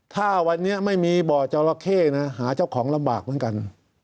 ถ้าวันนี้ไม่มีบ่อจราเข้นะหาเจ้าของลำบากเหมือนกัน